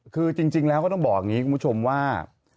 คือจริงแล้วก็ต้องบอกอย่างนี้คุณผู้ชมว่า